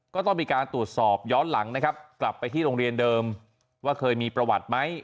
ก็ต้องมีการตรวจสอบย้อนหลังนะครับกลับไปที่โรงเรียนเดิมว่าเคยมีประวัติไหม